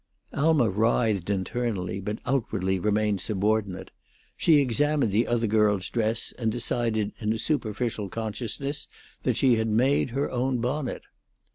Alma writhed internally, but outwardly remained subordinate; she examined the other girl's dress, and decided in a superficial consciousness that she had made her own bonnet.